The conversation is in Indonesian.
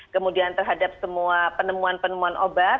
kemudian terhadap semua penemuan penemuan obat